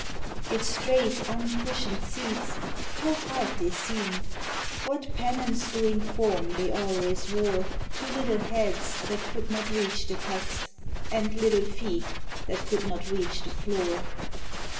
Its straight, uncushioned seats, how hard they seemed! What penance doing form they always wore To little heads that could not reach the text, And little feet that could not reach the floor.